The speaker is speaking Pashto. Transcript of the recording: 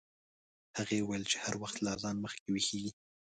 هغې وویل چې هر وخت له اذان مخکې ویښیږي.